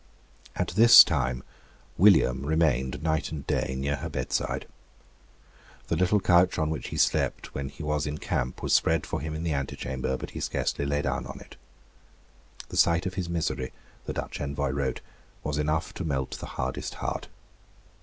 All this time William remained night and day near her bedside. The little couch on which he slept when he was in camp was spread for him in the antechamber; but he scarcely lay down on it. The sight of his misery, the Dutch Envoy wrote, was enough to melt the hardest heart.